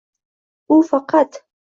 U faqat